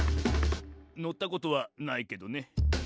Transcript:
「のったことはないけどね」